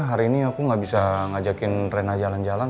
hari ini aku gak bisa ngajakin rena jalan jalan